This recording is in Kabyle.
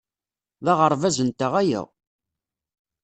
D aɣerbaz-nteɣ aya.